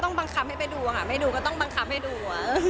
บังคับให้ไปดูค่ะไม่ดูก็ต้องบังคับให้ดู